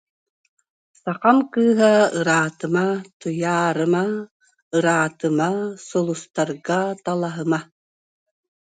Сахам кыыһа ыраатыма, Туйаарыма, ыраатыма, Сулустарга талаһыма